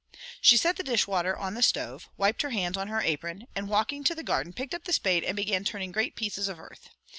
She set the dish water on the stove, wiped her hands on her apron, and walking to the garden, picked up the spade and began turning great pieces of earth.